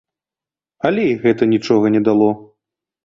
Але і гэта нічога не дало.